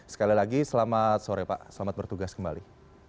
sekali lagi selamat sore pak selamat bertugas kembali